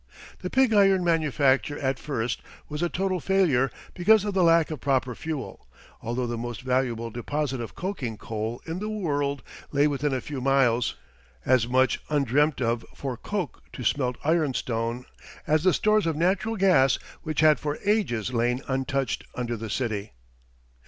The pig iron manufacture at first was a total failure because of the lack of proper fuel, although the most valuable deposit of coking coal in the world lay within a few miles, as much undreamt of for coke to smelt ironstone as the stores of natural gas which had for ages lain untouched under the city.